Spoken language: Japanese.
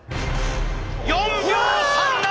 ４秒３７！